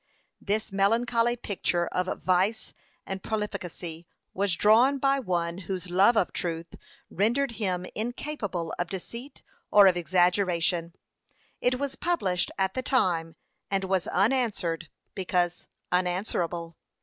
p. 543. This melancholy picture of vice and profligacy was drawn by one whose love of truth rendered him incapable of deceit or of exaggeration. It was published at the time, and was unanswered, because unanswerable.